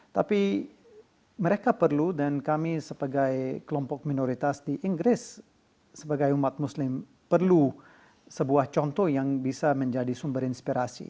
tapi mereka perlu dan kami sebagai kelompok minoritas di inggris sebagai umat muslim perlu sebuah contoh yang bisa menjadi sumber inspirasi